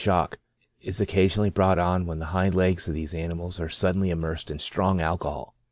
II shock, is occasionally brought on when the hind legs of these animals are suddenly immersed In strong alcohol (65 o.